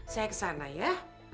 saya kesana ya